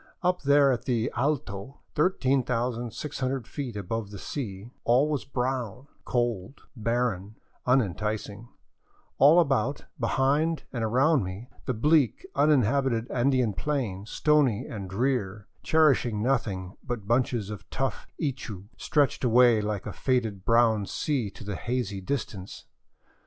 Up there at the " Alto," 13,600 feet above the sea, all was brown, cold, barren, unenticing; all about, behind, and around me the bleak, uninhabited Andean plateau, stony and drear, cherish ing nothing but bunches of tough ichu, stretched away like a faded brown sea to the hazy distance.